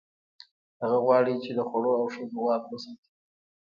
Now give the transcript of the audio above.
هغه غواړي، چې د خوړو او ښځو واک وساتي.